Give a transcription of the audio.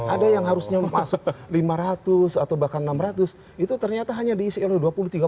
ada yang harusnya masuk lima ratus atau bahkan enam ratus itu ternyata hanya diisi oleh dua puluh tiga ratus